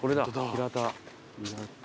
平田。